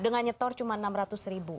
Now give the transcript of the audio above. dengan nyetor cuma rp enam ratus